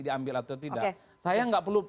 diambil atau tidak saya nggak perlu